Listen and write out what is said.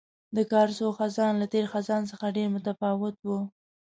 د کارسو خزان له تېر خزان څخه ډېر متفاوت وو.